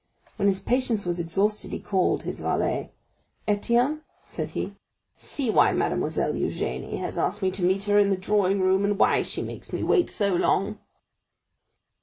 When his patience was exhausted, he called his valet. "Étienne," said he, "see why Mademoiselle Eugénie has asked me to meet her in the drawing room, and why she makes me wait so long."